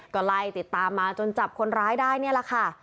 ก็ไล่ติดตามมาจนจับคนร้ายได้นี่แหละค่ะ